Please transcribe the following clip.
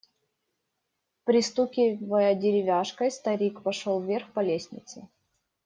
Пристукивая деревяшкой, старик пошел вверх по лестнице.